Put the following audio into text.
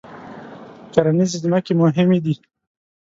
کرنیزې ځمکې مهمې دي.